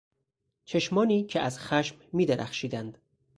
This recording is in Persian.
چشمانی که از خشم میدرخشیدند